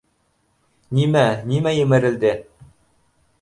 — Нимә, нимә емерелде?